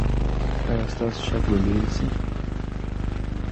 ایا ستاسو شک به لرې شي؟